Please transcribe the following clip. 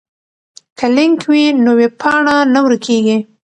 که لینک وي نو ویبپاڼه نه ورکیږي.